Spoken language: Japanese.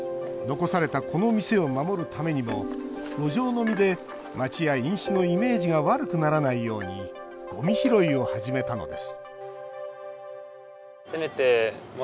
残されたこの店を守るためにも路上飲みで街や飲酒のイメージが悪くならないようにごみ拾いを始めたのです